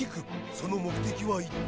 その目的は一体。